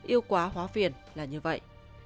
yêu quá hóa phiền là như vậy